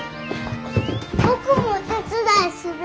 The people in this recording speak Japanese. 僕もお手伝いする。